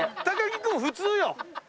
木君普通よ。